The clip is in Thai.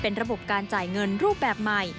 ระบบการจ่ายเงินรูปแบบใหม่